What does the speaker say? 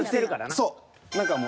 そう。